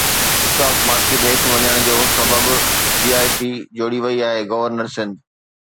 stock market هيٺ وڃڻ جو سبب جي آءِ ٽي جوڙي وئي آهي، گورنر سنڌ